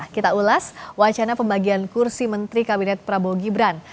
kita ulas wacana pembagian kursi menteri kabinet prabowo gibran